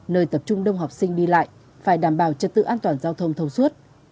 nơi tập trung đông học sinh đi lại phải đảm bảo trật tự an toàn giao thông thông suốt